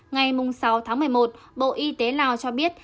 ngày sáu tháng một mươi một bộ y tế lào cho biết